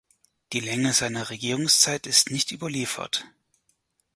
Die Länge seiner Regierungszeit ist nicht überliefert.